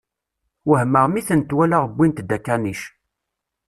Wehmeɣ mi tent-walaɣ wwint-d akanic.